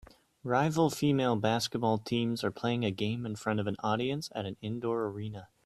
Rival female basketball teams are playing a game in front of an audience at an indoor arena